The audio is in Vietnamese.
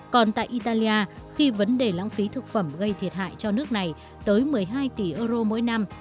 còn tại italia khi vấn đề lãng phí thực phẩm gây thiệt hại cho nước này tới một mươi hai tỷ euro mỗi năm